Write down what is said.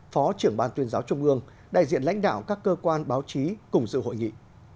phó trưởng ban tuyên giáo trung ương đại diện lãnh đạo các cơ quan báo chí cùng dự hội nghị